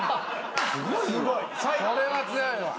これは強いわ。